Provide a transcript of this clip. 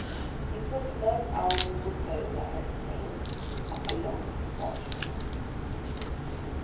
These were the first hours of repose I had obtained after long watchfulness.